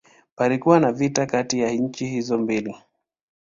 Palikuwa na vita kati ya nchi hizo mbili.